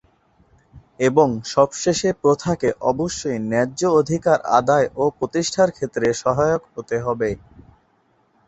এবং সবশেষে প্রথাকে অবশ্যই ন্যায্য অধিকার আদায় ও প্রতিষ্ঠার ক্ষেত্রে সহায়ক হতে হবে।